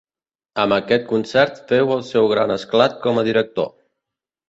Amb aquest concert féu el seu gran esclat com a director.